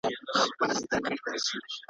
له ځانه د خپل خوب تفسير نه کول.